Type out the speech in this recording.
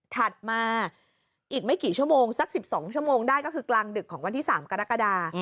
ถัดมาอีกไม่กี่ชั่วโมงสัก๑๒ชั่วโมงได้ก็คือกลางดึกของวันที่๓กรกฎา